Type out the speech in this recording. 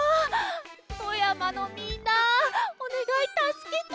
富山のみんなおねがいたすけて。